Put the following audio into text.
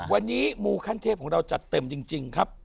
วันนี้มูขั้นเทพของเราจัดเต็มจริงครับ